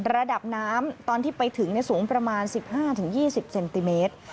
ระดับน้ำตอนที่ไปถึงสูงประมาณ๑๕๒๐เซนติเมตร